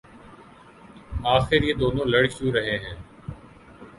آخر یہ دونوں لڑ کیوں رہے ہیں